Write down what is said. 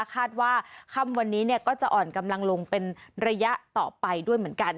คาดว่าค่ำวันนี้ก็จะอ่อนกำลังลงเป็นระยะต่อไปด้วยเหมือนกัน